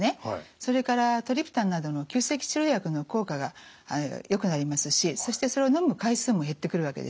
それからトリプタンなどの急性期治療薬の効果がよくなりますしそしてそれをのむ回数も減ってくるわけです。